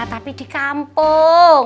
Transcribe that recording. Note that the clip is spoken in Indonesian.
tapi di kampung